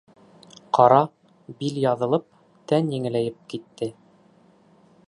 Ҡара, бил яҙылып, тән еңеләйеп китте!